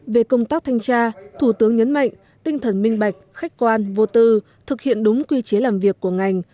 về công tác thanh tra thủ tướng nhấn mạnh tinh thần minh bạch khách quan vô tư thực hiện đúng quy chế làm việc của ngành